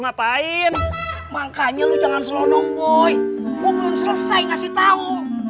ngapain makanya lu jangan slow nom boy gue belum selesai ngasih tahu